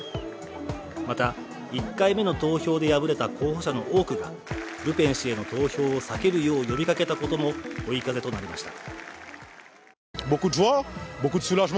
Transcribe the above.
また、１回目の投票で敗れた候補者の多くがルペン氏への投票を避けるよう呼びかけたことも追い風となりました。